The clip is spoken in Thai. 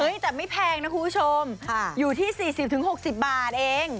แต่ไม่แพงนะคุณผู้ชมอยู่ที่๔๐๖๐บาทเอง